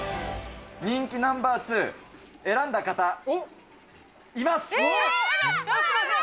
人気ナンバー２、選んだ方、います！